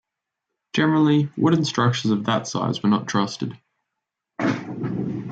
Generally, wooden structures of that size were not trusted.